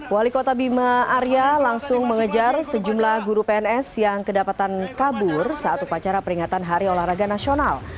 wali kota bima arya langsung mengejar sejumlah guru pns yang kedapatan kabur saat upacara peringatan hari olahraga nasional